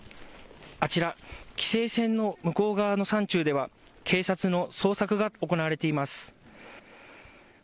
あちら、規制線の向こう側の山中では、警察の捜索が行われています。